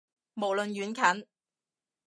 無論遠近